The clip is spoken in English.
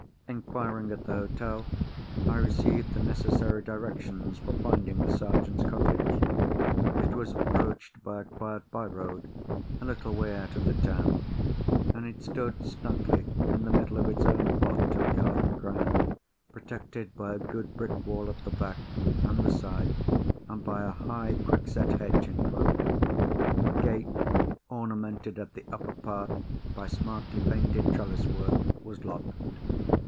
Inquiring at the hotel, I received the necessary directions for finding the Sergeant's cottage. It was approached by a quiet bye road, a little way out of the town, and it stood snugly in the middle of its own plot of garden ground, protected by a good brick wall at the back and the sides, and by a high quickset hedge in front. The gate, ornamented at the upper part by smartly painted trellis work, was locked.